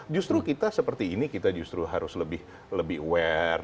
justru kita seperti ini kita justru harus lebih aware